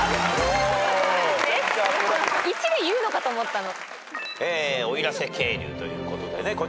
１で言うのかと思ったの。